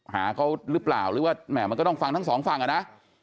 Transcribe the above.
หาเขาหรือเปล่าหรือว่าแหม่มันก็ต้องฟังทั้งสองฝั่งอ่ะนะ